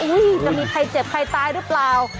จะมีใครเจ็บใครตายหรือเปล่า